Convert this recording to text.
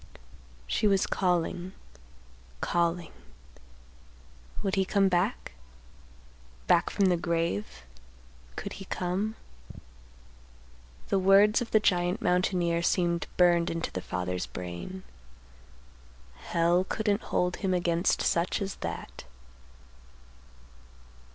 She was calling, calling—would he come back? Back from the grave, could he come? The words of the giant mountaineer seemed burned into the father's brain; _Hell couldn't hold him against such as that.